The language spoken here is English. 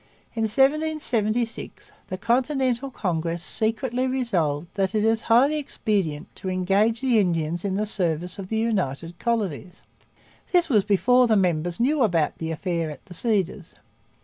In 1776 the Continental Congress secretly resolved 'that it is highly expedient to engage the Indians in the service of the United Colonies.' This was before the members knew about the Affair at the Cedars.